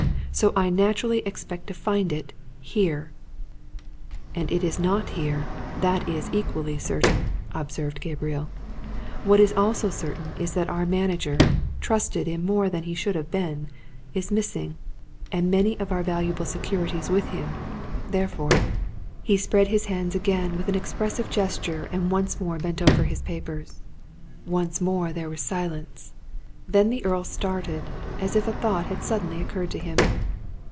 So I naturally expect to find it here." "And it is not here that is equally certain," observed Gabriel. "What is also certain is that our manager trusted in more than he should have been! is missing, and many of our valuable securities with him. Therefore " He spread his hands again with an expressive gesture and once more bent over his papers. Once more there was silence. Then the Earl started as if a thought had suddenly occurred to him.